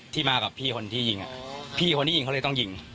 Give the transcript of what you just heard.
มากับพี่คนที่ยิงพี่คนที่ยิงเขาเลยต้องยิง